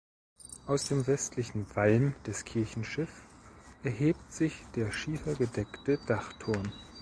Aus dem westlichen Walm des Kirchenschiff erhebt sich der schiefergedeckte Dachturm.